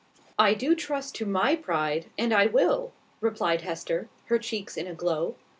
"I do trust to my pride, and I will," replied Hester, her cheeks in a glow.